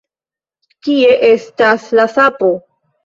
Kie estas la sapo?